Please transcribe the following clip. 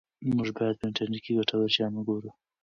موږ باید په انټرنیټ کې ګټور شیان وګورو.